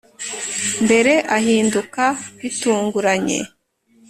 mbere ahinduka bitunguranye.